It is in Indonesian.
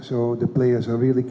jadi pemain sangat berharap